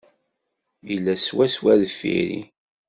Yella swaswa deffir-i.